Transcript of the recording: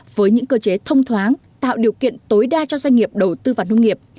với những cơ chế thông thoáng tạo điều kiện tối đa cho doanh nghiệp đầu tư vào nông nghiệp